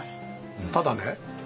ただね